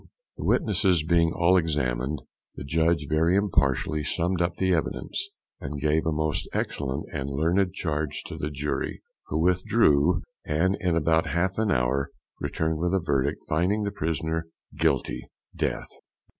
The witnesses being all examined, the judge very impartially summed up the evidence, and gave a most excellent and learned charge to the jury, who withdrew, and in about half an hour returned with a verdict, finding the prisoner "Guilty," DEATH.